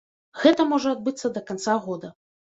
Гэта можа адбыцца да канца года.